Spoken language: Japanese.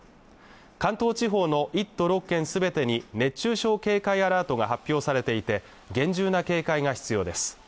関東地方の１都６県すべてに熱中症警戒アラートが発表されていて厳重な警戒が必要です